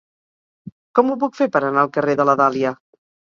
Com ho puc fer per anar al carrer de la Dàlia?